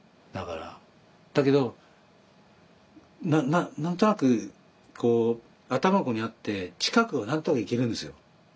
だけど何となくこう頭ここにあって近くは何となくいけるんですよ。